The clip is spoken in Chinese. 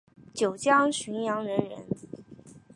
九江浔阳人人。